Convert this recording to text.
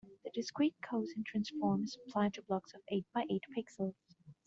The discrete cosine transform is applied to blocks of eight by eight pixels.